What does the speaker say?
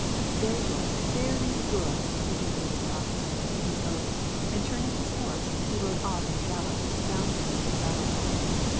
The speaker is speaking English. " Very good, very good," reiterated the officer, with an oath, and turning his horse, he rode off at a gallop, bouncing in his saddle.